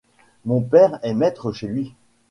Mon père est maître chez lui.